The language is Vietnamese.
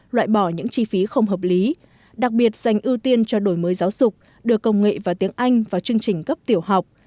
loại bỏ những chi phí không hợp lý đặc biệt dành ưu tiên cho đổi mới giáo dục đưa công nghệ vào tiếng anh vào chương trình cấp tiểu học